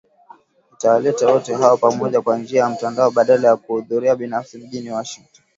itawaleta wote hao pamoja kwa njia ya mtandao badala ya kuhudhuria binafsi mjini Washington